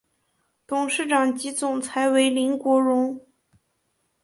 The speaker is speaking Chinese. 董事长及总裁为林国荣。